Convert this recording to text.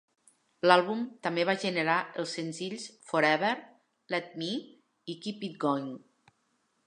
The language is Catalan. L'àlbum també va generar els senzills "Forever", "Let Me" i "Keep It Going".